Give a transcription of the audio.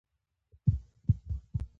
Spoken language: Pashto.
. کتابونه زموږ د ذهن لپاره خواړه دي.